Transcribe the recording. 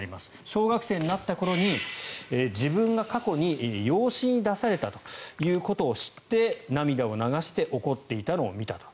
小学生になった頃に自分が過去に養子に出されたということを知って涙を流して怒っていたのを見たと。